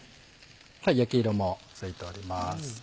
焼き色もついております。